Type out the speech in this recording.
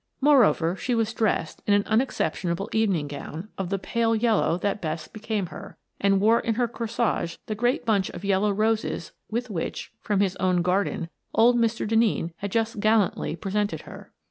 Moreover, she was dressed in an unexceptionable evening gown of the pale yellow that best became her, and wore in her corsage the great bunch of yellow roses with which, from his own garden, old Mr. Denneen had just gallantly presented her.